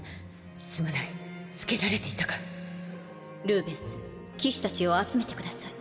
すまないつけられていたかルーベンス騎士たちを集めてください